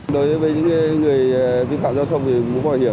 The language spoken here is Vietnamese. đối với những người vi phạm giao thông về mũ bảo hiểm